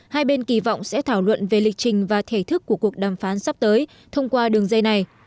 hai bên kỳ vọng sẽ thảo luận về lịch trình và thể thức của cuộc đàm phán sắp tới thông qua đường dây này